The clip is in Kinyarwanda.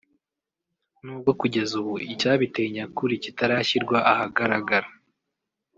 n’ubwo kugeza ubu icyabiteye nyakuri kitarashyirwa ahagaragara